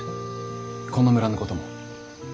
この村のことも。